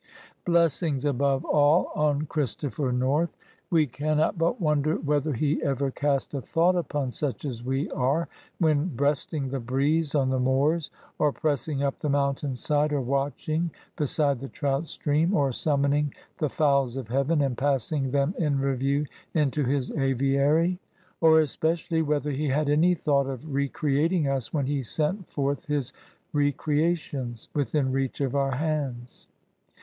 Blessings, above all, on Christopher North ! We NATURE TO THE INVALID. 61 cannot 1>ut wonder whether he ever cast a thought upon such as we are when breasting the breeze on the moors^ or pressing up the mountain side^ or watching beside the trout stream ; or summoning the fowls of heayen^ and passing them in review into his Aviary ;— or, especially, whether he had any thought of recreating us when he sent forth his *^ Recreations " within reach of our hands.